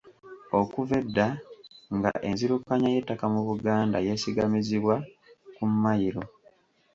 Okuva edda nga enzirukanya y'ettaka mu Buganda yeesigamizibwa ku mmayiro.